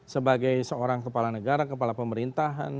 sebagai seorang kepala negara kepala pemerintahan